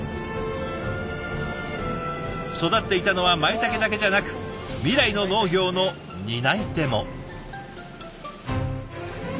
育っていたのはまいたけだけじゃなく未来の農業の担い手も。